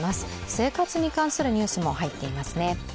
生活に関するニュースも入っていますね。